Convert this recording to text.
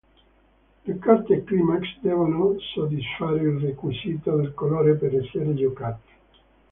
Le carte Climax devono soddisfare il requisito del colore per essere giocate.